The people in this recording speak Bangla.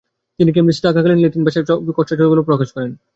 তিনি ক্যামব্রিজে থাকাকালিন ল্যাটিন ভাষায় লেখা খসড়া গুলোও প্রকাশ করেন।